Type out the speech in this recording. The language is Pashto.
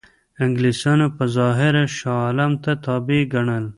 انګلیسانو په ظاهره شاه عالم ته تابع ګڼل.